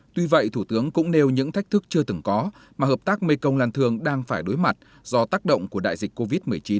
tuy vậy thủ tướng cũng nêu những thách thức chưa từng có mà hợp tác mekong lan thương đang phải đối mặt do tác động của đại dịch covid một mươi chín